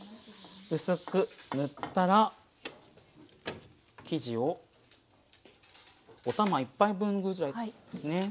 薄く塗ったら生地をお玉１杯分ぐらいですね。